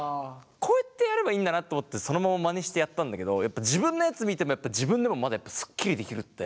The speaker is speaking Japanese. こうやってやればいいんだなと思ってそのまままねしてやったんだけど自分のやつ見てもやっぱ自分でもまだすっきりできるって。